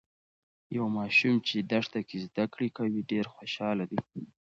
یو ماشوم چې دښته کې زده کړې کوي، ډیر خوشاله دی.